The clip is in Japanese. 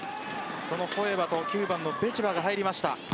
コエバと９番のベチェバが入りました。